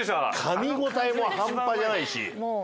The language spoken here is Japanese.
かみ応えも半端じゃないし。